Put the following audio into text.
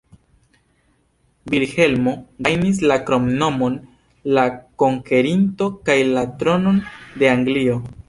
Vilhelmo gajnis la kromnomon "la Konkerinto" kaj la tronon de Anglio.